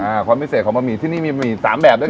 ความพิเศษของบะหมี่ที่นี่มีบะหมี่สามแบบด้วยกัน